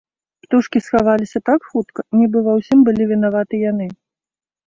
Птушкі схаваліся так хутка, нібы ва ўсім былі вінаваты яны.